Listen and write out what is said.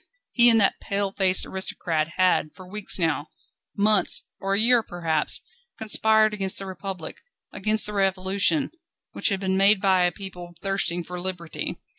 He and that pale face aristocrat had for weeks now, months, or years perhaps, conspired against the Republic, against the Revolution, which had been made by a people thirsting for liberty.